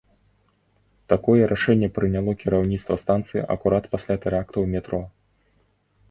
Такое рашэнне прыняло кіраўніцтва станцыі акурат пасля тэракту ў метро.